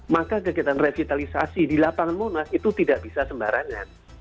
maka kegiatan revitalisasi di lapangan monas itu tidak bisa sembarangan